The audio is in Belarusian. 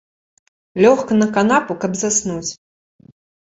Лёг на канапу, каб заснуць.